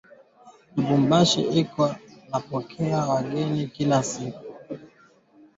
Lubumbashi iko napokea wageni kila siku